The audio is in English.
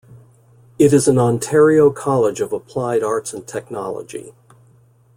It is an Ontario College of Applied Arts and Technology.